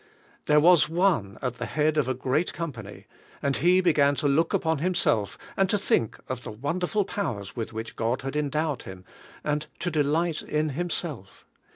There was one at the head of a great company, and he began to look upon him self, and to think of the wonderful powers with which God had endowed him, and to delight in himself.